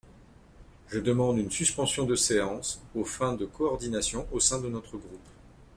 Je demande une suspension de séance aux fins de coordination au sein de notre groupe.